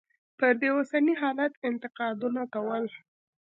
پر دې اوسني حالت انتقادونه کول.